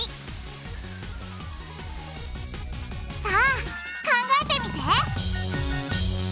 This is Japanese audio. さあ考えてみて！